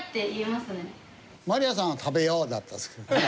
まりあさんは「食べよう」だったんですけどね。